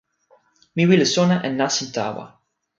mi wile sona e nasin tawa.